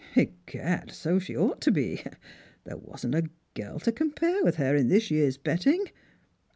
" Egad, so she ought to be. There wasn't a girl to compare with bor in this year's betting.